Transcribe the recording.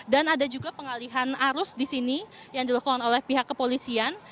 dan ada juga pengalihan arus di sini yang dilakukan oleh pihak kepolisian